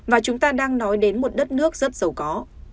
và chúng ta đang nói đến một đất nước rất giàu có